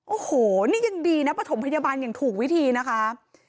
โอ้โหนี่ยังดีนะประถมพยาบาลอย่างถูกวิธีนะคะ